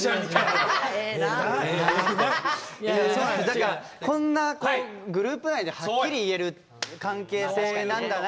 何かこんなグループ内ではっきり言える関係性なんだな